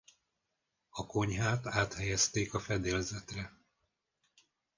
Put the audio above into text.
A konyhát áthelyezték a fedélzetre.